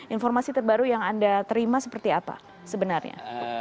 informasi terbaru yang anda terima seperti apa sebenarnya